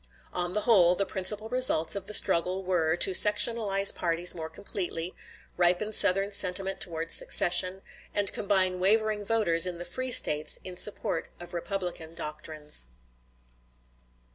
On the whole, the principal results of the struggle were, to sectionalize parties more completely, ripen Southern sentiment towards secession, and combine wavering voters in the free States in support of Republican doctrines.